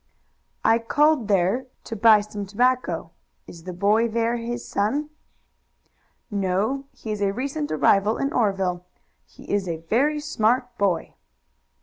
"I called there to buy some tobacco. Is the boy there his son?" "No; he is a recent arrival in Oreville. He is a very smart boy."